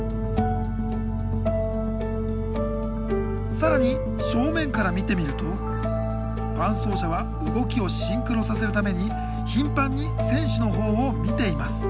更に正面から見てみると伴走者は動きをシンクロさせるために頻繁に選手の方を見ています。